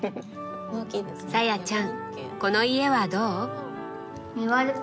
紗也ちゃんこの家はどう？